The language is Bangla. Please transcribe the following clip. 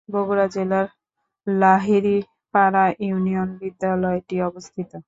বগুড়া জেলার লাহিড়ী পাড়া ইউনিয়নে বিদ্যালয়টি অবস্থিত।